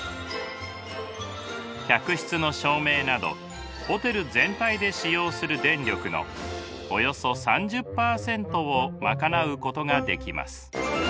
客室の照明などホテル全体で使用する電力のおよそ３０％を賄うことができます。